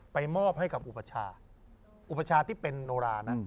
มอบให้กับอุปชาอุปชาที่เป็นโนรานะ